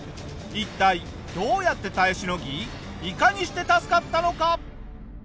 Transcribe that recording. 一体どうやって耐えしのぎいかにして助かったのか？